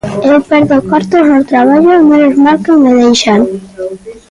Eu perdo cartos no traballo e menos mal que me deixan.